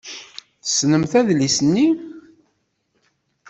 Tessnemt adlis-nni.